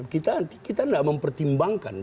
kita tidak mempertimbangkan